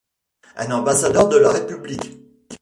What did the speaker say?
Un ambassadeur de la République.